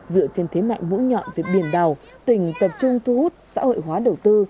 dựa trên thế mạng mũ nhọn về biển đào tình tập trung thu hút xã hội hóa đầu tư